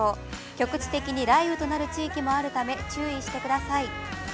局地的に雷雨となる地域もあるため、注意してください。